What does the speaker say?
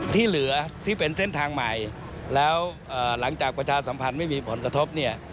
ที่เหลือที่เป็นเส้นทางใหม่แล้วหลังจากประชาสัมพันธ์ไม่มีผลกระทบเนี่ย